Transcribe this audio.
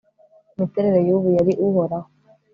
imiterere y'ubu. yari uhoraho